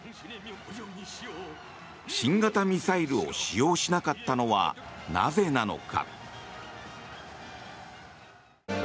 新型ミサイルを使用しなかったのはなぜなのか。